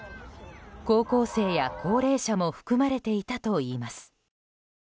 高校生や高齢者も含まれていたといいます。